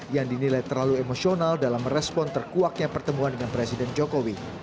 yang dinilai terlalu emosional dalam merespon terkuaknya pertemuan dengan presiden jokowi